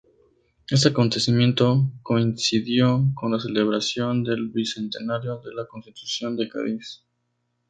Este acontecimiento coincidió con la celebración del Bicentenario de la Constitución de Cádiz.